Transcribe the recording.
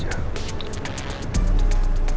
kemarin aku sempet denger